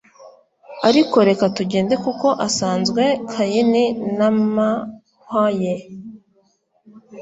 Ariko reka tugende kuko asanzwe Kayini n'amahwa ye